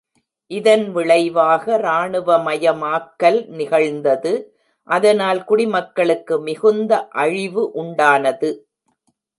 இதன் விளைவாக, ராணுவமயமாக்கல் நிகழ்ந்தது, அதனால் குடிமக்களுக்கு மிகுந்த அழிவு உண்டானது.